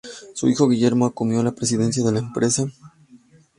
Su hijo Guillermo asumió la presidencia de la empresa.